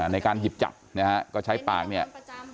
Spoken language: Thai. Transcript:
ในการหยิบจับนะฮะก็ใช้ปากเนี่ย